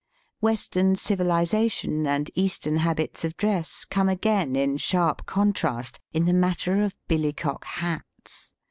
Western civilization and Eastern habits of dress come again in sharp contrast in the matter of billycock hats.